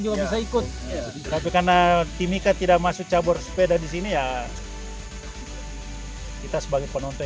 juga bisa ikut tapi karena timika tidak masuk cabur sepeda di sini ya kita sebagai penonton